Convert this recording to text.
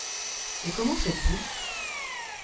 Et comment faites-vous ?